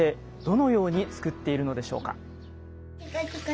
どのように作っているのでしょうか。